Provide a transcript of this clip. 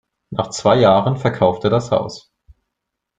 Nach zwei Jahren verkaufte das Haus.